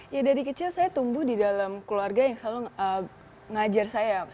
ya dari kecil saya tumbuh di dalam keluarga yang selalu ngajar saya